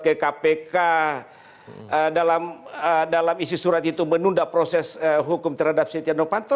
kaya kpk dalam isi surat itu menunda proses hukum terhadap siti ando panto